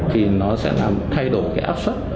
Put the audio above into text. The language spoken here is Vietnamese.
thì nó sẽ làm thay đổi cái áp suất